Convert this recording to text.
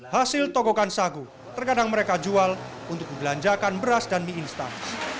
hasil tokokan sagu terkadang mereka jual untuk dibelanjakan beras dan mie instan